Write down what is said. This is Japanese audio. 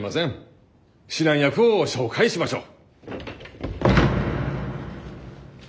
指南役を紹介しましょう。